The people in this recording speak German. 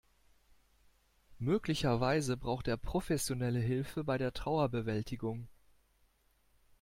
Möglicherweise braucht er professionelle Hilfe bei der Trauerbewältigung.